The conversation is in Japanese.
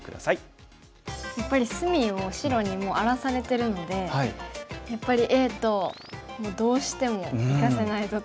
やっぱり隅を白にもう荒らされてるのでやっぱりＡとどうしてもいかせないぞと。